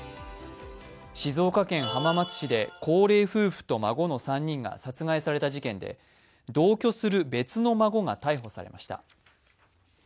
静岡県浜松市で高齢夫婦と孫の３人が殺害された事件で同居する別の孫が逮捕されました。